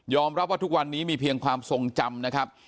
รับว่าทุกวันนี้มีเพียงความทรงจำนะครับ